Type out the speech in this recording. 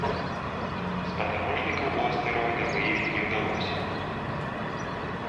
Спадарожнікаў у астэроіда выявіць не ўдалося.